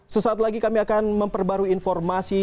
sesaat lagi kami akan memperbarui informasi